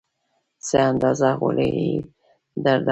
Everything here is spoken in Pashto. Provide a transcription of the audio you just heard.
څه اندازه غولی یې درلود.